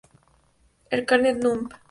El carnet Núm.